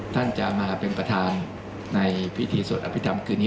ท่านจะมาเป็นประธานในพิธีสวดอภิษฐรรมคืนนี้